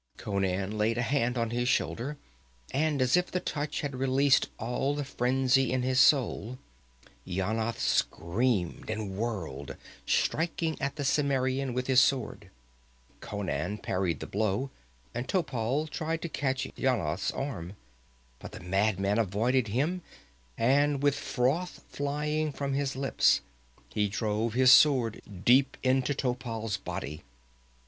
Conan laid a hand on his shoulder, and as if the touch had released all the frenzy in his soul, Yanath screamed and whirled, striking at the Cimmerian with his sword. Conan parried the blow, and Topal tried to catch Yanath's arm. But the madman avoided him and with froth flying from his lips, he drove his sword deep into Topal's body.